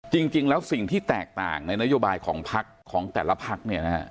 จริงแล้วสิ่งที่แตกต่างในนโยบายของพักของแต่ละพักเนี่ยนะฮะ